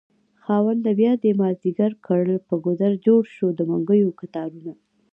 خاونده بيادی مازد يګر کړ په ګودر جوړشو دمنګيو کتارونه